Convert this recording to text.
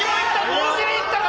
同時にいったか？